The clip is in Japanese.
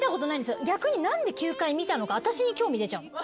逆に何で９回見たのか私に興味出ちゃうの。